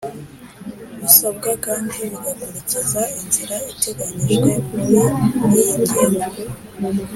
Bisabwa kandi bigakurikiza inzira iteganyijwe muri iyi ngingo